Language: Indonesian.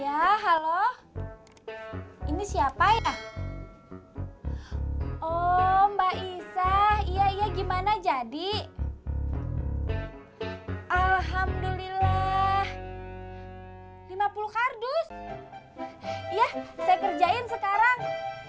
ya halo ini siapa ya oh mbak isa iya iya gimana jadi alhamdulillah lima puluh kardus ya saya kerjain sekarang